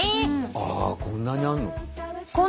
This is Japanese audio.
あこんなにあるの？